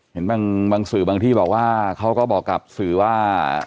เห็นบางสื่อบางที่บอกว่าเขาก็บอกกับสื่อว่า